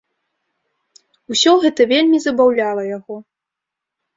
Усё гэта вельмі забаўляла яго.